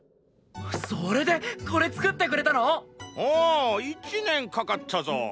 それでこれ作ってくれたの⁉おう１年かかったぞ！